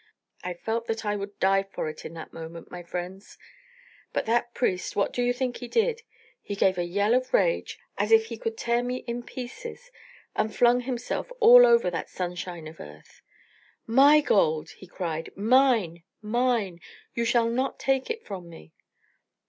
I felt that I would die for it in that moment, my friends. But that priest, what do you think he did? He gave a yell of rage, as if he could tear me in pieces, and flung himself all over that sunshine of earth. 'My gold!' he cried. 'Mine! mine! You shall not take it from me.'